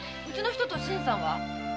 うちの人と新さんは？